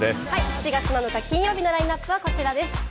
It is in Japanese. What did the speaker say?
７月７日、金曜日のラインナップはこちらです。